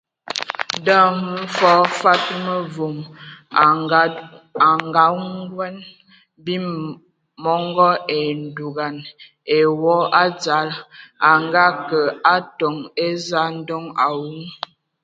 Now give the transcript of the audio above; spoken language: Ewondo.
Ndɔ hm fɔɔ Mfad mevom a nganguan mbim mɔngɔ, a dugan ai wɔ a dzal, a ngeakə a atoŋ eza ndoŋ awu.